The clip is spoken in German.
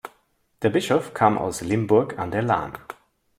Der Bischof kam aus Limburg an der Lahn.